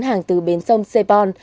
hàng từ bến sông sê pôn